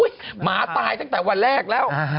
หมาตายตั้งแต่วันแรกแล้ว